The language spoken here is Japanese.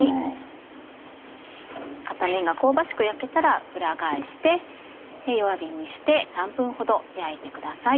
片面が香ばしく焼けたら裏返して弱火にして３分ほど焼いてください。